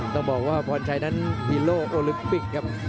ต้องบอกว่าพรชัยนั้นฮีโร่โอลิมปิกครับ